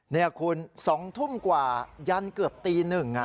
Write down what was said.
เนี่ยคุณ๒ทุ่มกว่ายันเกือบตีหนึ่ง